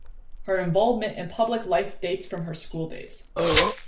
Her involvement in public life dates from her schooldays.